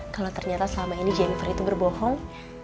kalau ternyata selama ini jenfer itu berbohong